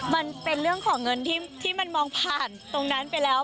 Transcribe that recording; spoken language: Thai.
มันเป็นเรื่องของเงินที่มันมองผ่านตรงนั้นไปแล้ว